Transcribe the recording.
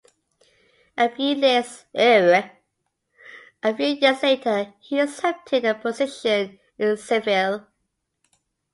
A few years later he accepted a position in Seville.